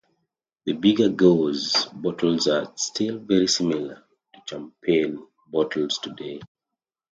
The bigger gueuze bottles are still very similar to Champagne bottles today.